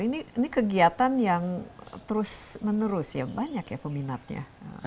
ini kegiatan yang terus menerus ya banyak ya peminatnya